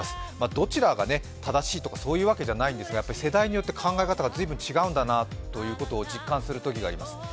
どちらが正しいとかそういうわけじゃないんですが世代によって考え方が随分違うんだなということを実感することがあります。